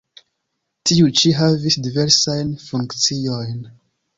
Tiu ĉi havis diversajn funkciojn.